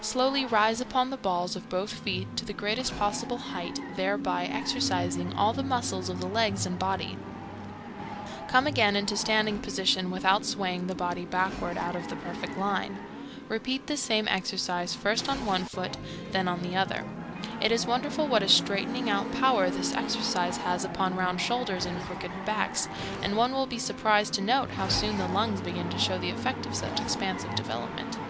Slowly rise upon the balls of both feet to the greatest possible height, thereby exercising all the muscles of the legs and body; come again into standing position without swaying the body backward out of the perfect line. Repeat this same exercise, first on one foot, then on the other. It is wonderful what a straightening out power this exercise has upon round shoulders and crooked backs, and one will be surprised to note how soon the lungs begin to show the effect of such expansive development.